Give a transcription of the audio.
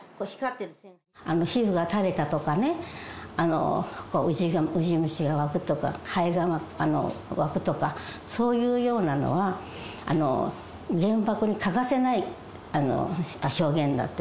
皮膚が垂れたとかね、ウジ虫が湧くとか、ハエが湧くとか、そういうようなのは、原爆に欠かせない表現だって。